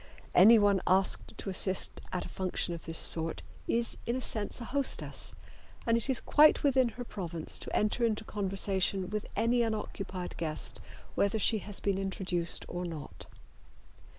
Anyone asked to assist at a function of this sort is in a sense a hostess, and it is quite within her province to enter into conversation with any unoccupied guest whether she has been introduced or not.